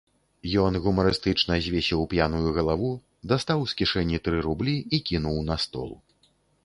Ён гумарыстычна звесіў п'яную галаву, дастаў з кішэні тры рублі і кінуў на стол.